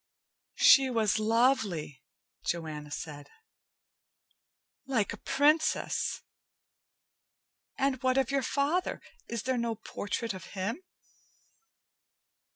"She was lovely," Joanna said. "Like a princess! And what of your father? Is there no portrait of him?"